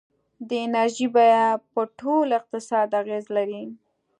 د انرژۍ بیه په ټول اقتصاد اغېزه لري.